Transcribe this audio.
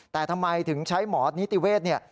แต่ทำไมถึงใช้หมอนิติเวศเนี่ย